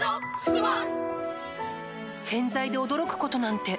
洗剤で驚くことなんて